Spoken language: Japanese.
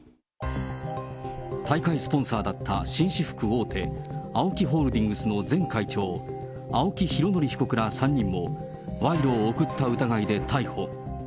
大会スポンサーだった紳士服大手、ＡＯＫＩホールディングスの前会長、青木拡憲被告ら３人も、賄賂を贈った疑いで逮捕。